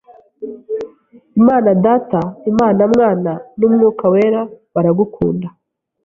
Imana Data, Imana Mwana n’Umwuka Wera baragukunda!